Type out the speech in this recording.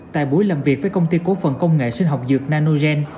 tại buổi làm việc với công ty cố phần công nghệ sinh học dược nanogen